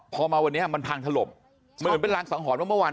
พอมาวันนี้มันพังถล่มเหมือนเป็นรางสังหรณ์ว่าเมื่อวาน